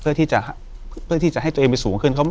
อยู่ที่แม่ศรีวิรัยยิลครับ